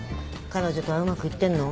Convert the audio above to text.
彼女とはうまくいってんの？